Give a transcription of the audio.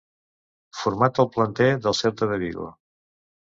Format al planter del Celta de Vigo.